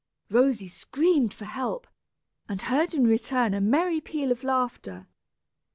Rosy screamed for help, and heard in return a merry peal of laughter.